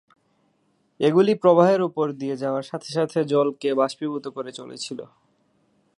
এগুলি প্রবাহের উপর দিয়ে যাওয়ার সাথে সাথে জলকে বাষ্পীভূত করে চলেছিল।